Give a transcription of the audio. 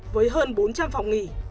với hơn bốn trăm linh phòng nghỉ